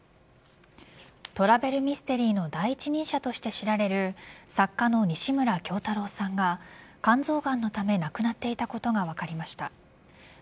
トラベルミステリーの第一人者として知られる作家の西村京太郎さんが肝臓がんのため亡くなっていたことが分かりました。